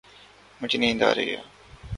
مجھے نیند نہیں آ رہی۔